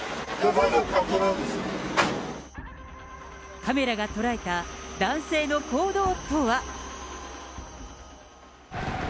カメラが捉えた男性の行動とは。